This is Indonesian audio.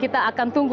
kita akan tunggu